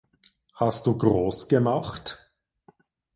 Hast du groẞ gemacht?